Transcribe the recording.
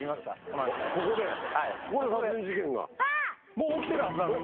もう起きてるはずなんです。